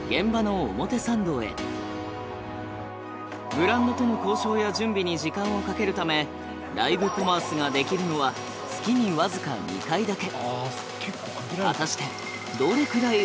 ブランドとの交渉や準備に時間をかけるためライブコマースができるのは月に僅か２回だけ。